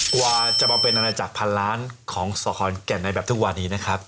กว่าจะมาเป็นอาณาจักรพันล้านของสขอนแก่นในแบบทุกวันนี้นะครับ